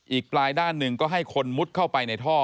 อีกปลายด้านหนึ่งก็ให้คนมุดเข้าไปในท่อ